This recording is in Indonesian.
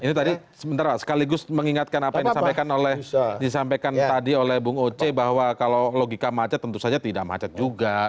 ini tadi sebentar sekaligus mengingatkan apa yang disampaikan oleh disampaikan tadi oleh bung oce bahwa kalau logika macet tentu saja tidak macet juga